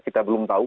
kita belum tahu